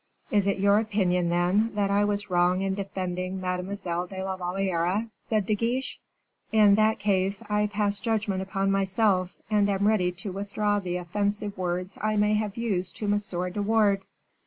"Is it your opinion, then, that I was wrong in defending Mademoiselle de la Valliere?" said De Guiche. "In that case, I pass judgment upon myself, and am ready to withdraw the offensive words I may have used to Monsieur de Wardes."